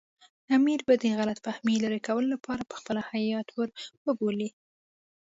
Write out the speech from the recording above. امیر به د غلط فهمۍ لرې کولو لپاره پخپله هیات ور وبولي.